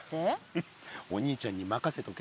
フッお兄ちゃんにまかせとけって。